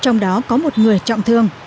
người trọng thương